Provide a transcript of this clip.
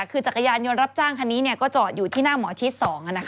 คือจักรยานยนต์รับจ้างคันนี้ก็จอดอยู่ที่หน้าหมอชิด๒